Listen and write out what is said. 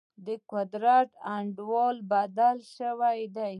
د قدرت انډول بدل شوی دی.